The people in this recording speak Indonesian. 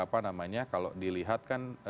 ada beberapa ya tapi kalau dilihat kan